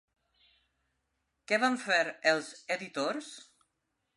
Què van fer els editors?